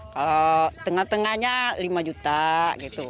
kalau tengah tengahnya rp lima gitu